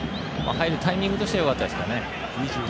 入るタイミングとしてはよかったですね。